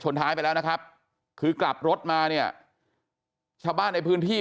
ท้ายไปแล้วนะครับคือกลับรถมาเนี่ยชาวบ้านในพื้นที่